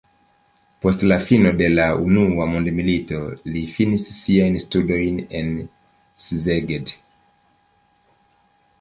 Post la fino de la unua mondmilito li finis siajn studojn en Szeged.